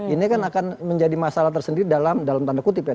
ini kan akan menjadi masalah tersendiri dalam tanda kutip ya